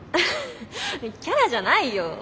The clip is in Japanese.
フッキャラじゃないよ。